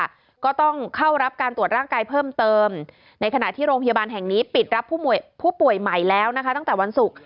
แล้วก็ต้องเข้ารับการตรวจร่างกายเพิ่มเติมในขณะที่โรงพยาบาลแห่งนี้ปิดรับผู้ป่วยใหม่แล้วนะคะตั้งแต่วันศุกร์